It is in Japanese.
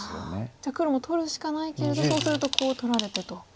じゃあ黒も取るしかないけれどそうするとコウを取られてと。